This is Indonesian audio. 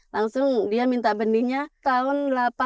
langsung dia minta benihnya tahun seribu delapan ratus delapan puluh